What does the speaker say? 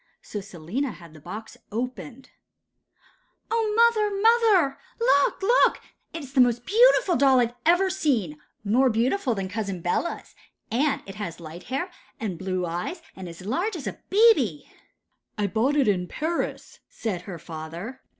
So Selina had the box opened. 'Oh, mother, mother! look, look! It is the most beautiful doll I have ever seen—more beautiful than Cousin Bella's, and it has light hair and blue eyes, and is as large as a baby.' 'I bought it in Paris,' said her father.